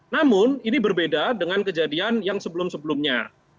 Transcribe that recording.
namun ini berbeda dengan kejadian yang sebelum sebelumnya